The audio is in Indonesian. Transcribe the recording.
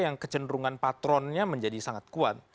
yang kecenderungan patronnya menjadi sangat kuat